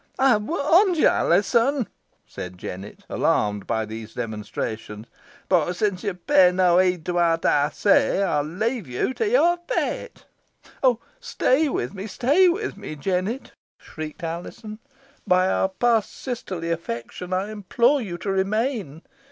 "Ey ha' warned ye, Alizon," said Jennet, alarmed by these demonstrations; "boh since ye pay no heed to owt ey say, ey'st leave yo to yer fate." "Oh! stay with me, stay with me, Jennet!" shrieked Alizon, "By our past sisterly affection I implore you to remain!